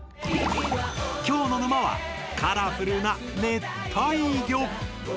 きょうの沼はカラフルな「熱帯魚」。